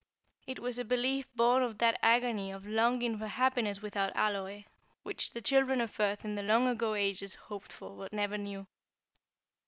It was a belief born of that agony of longing for happiness without alloy, which the children of earth in the long ago ages hoped for, but never knew.